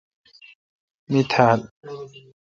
می تھال۔